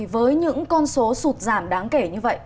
với những con số sụt giảm đáng kể như vậy